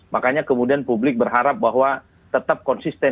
makanya kemudian publik berharap bahwa tetap konsisten